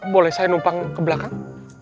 boleh saya numpang ke belakang